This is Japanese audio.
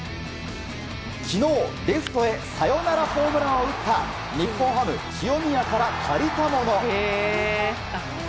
昨日、レフトへサヨナラホームランを打った日本ハム、清宮から借りたもの。